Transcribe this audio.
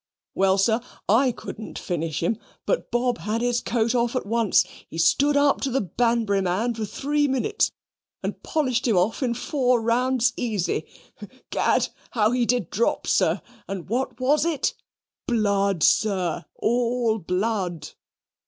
Well, sir, I couldn't finish him, but Bob had his coat off at once he stood up to the Banbury man for three minutes, and polished him off in four rounds easy. Gad, how he did drop, sir, and what was it? Blood, sir, all blood."